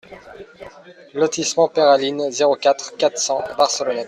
Lotissement Peyralines, zéro quatre, quatre cents Barcelonnette